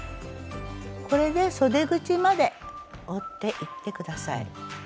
これでそで口まで折っていって下さい。